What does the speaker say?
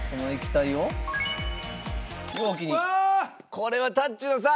これはタッチの差！